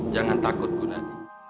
jangan takut gunan